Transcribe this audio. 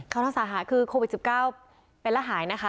เขารักษาหายคือโควิด๑๙เป็นและหายนะคะ